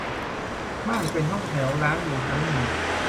บ้านเป็นห้องแถว ร้านอยู่ชั้นหนึ่ง